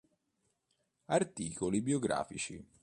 Articoli biografici